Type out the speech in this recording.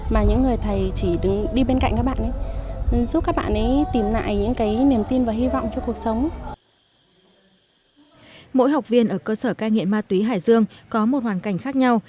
mỗi học viên ở cơ sở cai nghiện ma túy hải dương có một hoàn cảnh khác nhau